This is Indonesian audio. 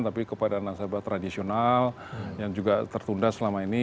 tapi kepada nasabah tradisional yang juga tertunda selama ini